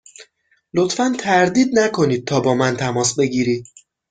لطفا تردید نکنید تا با من تماس بگیرید.